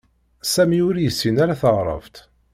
Sami ur yessin ara Taɛrabt